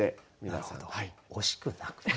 なるほど惜しくなく。